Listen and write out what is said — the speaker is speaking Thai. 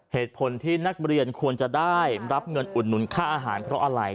เหตุผลที่นักเรียนควรจะได้รับเงินอุดหนุนค่าอาหารเพราะอะไร